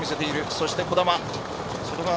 そして兒玉。